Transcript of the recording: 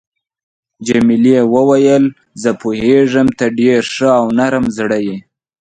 جميلې وويل: زه پوهیږم ته ډېر ښه او نرم زړی یې.